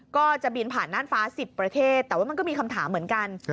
ก็จะบินผ่านน่านฟ้า๑๐ประเทศแต่ว่ามันก็มีคำถามเหมือนกัน